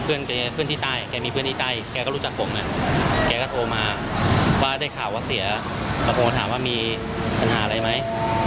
เพื่อนที่ตายแกก็รู้จักผมแกก็โทรมาว่าได้ข่าวว่าเสียมาถามว่ามีปัญหาอะไรไหม